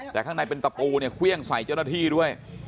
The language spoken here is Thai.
แต่ข้างในเป็นตะปูเนี่ยเครื่องใส่เจ้าหน้าที่ด้วย